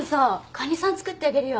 カニさん作ってあげるよ。